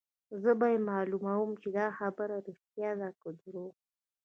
زه به يې معلوموم چې دا خبره ريښتیا ده که درواغ.